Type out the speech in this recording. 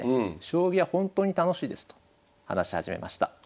「将棋は本当に楽しいです」と話し始めました。